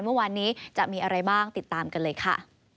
เมื่อวานนี้จะมีอะไรบ้างติดตามกันเลยค่ะ